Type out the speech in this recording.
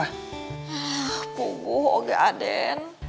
ah pungguh oge aden